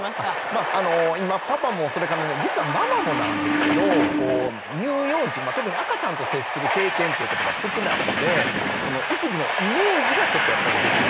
まあ今パパもそれからね実はママもなんですけど乳幼児特に赤ちゃんと接する経験っていうことが少ないので育児のイメージがちょっとやっぱりできない。